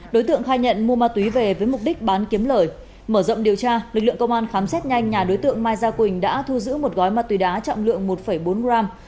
đối tượng khai nhận mua ma túy về với mục đích bán kiếm lời mở rộng điều tra lực lượng công an khám xét nhanh nhà đối tượng mai gia quỳnh đã thu giữ một gói ma túy đá trọng lượng một bốn gram